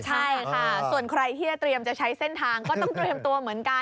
ใช่ค่ะส่วนใครที่จะเตรียมจะใช้เส้นทางก็ต้องเตรียมตัวเหมือนกัน